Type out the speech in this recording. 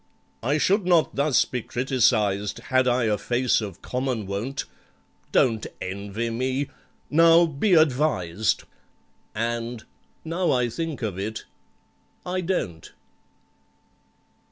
"I should not thus be criticised Had I a face of common wont: Don't envy me—now, be advised!" And, now I think of it, I don't!